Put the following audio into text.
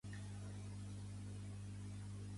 L'altre dia el vaig veure per Suera.